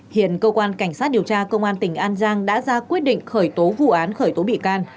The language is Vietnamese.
hiện cơ quan cảnh sát điều tra công an tỉnh an giang đã ra quyết định khởi tố vụ án khởi tố bị can